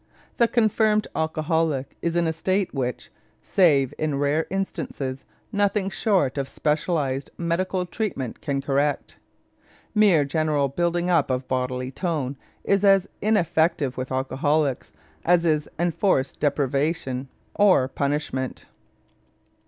The confirmed alcoholic is in the state which, save in rare instances, nothing short of specialized medical treatment can correct. Mere general building up of bodily tone is as ineffective with alcoholics as is enforced deprivation or punishment.